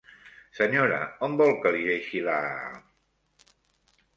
Senyora, on vol que li deixi la??